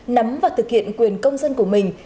nắm và thực hiện quyền công dân của mình